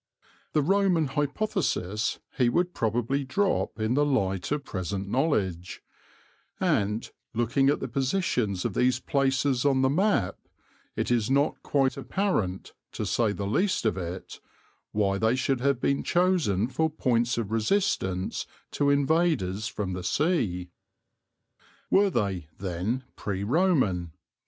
The Roman hypothesis he would probably drop in the light of present knowledge, and, looking at the positions of these places on the map, it is not quite apparent, to say the least of it, why they should have been chosen for points of resistance to invaders from the sea. Were they, then, pre Roman?